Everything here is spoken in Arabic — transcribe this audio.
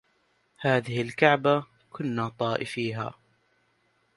هذه الكعبة كنا طائفيها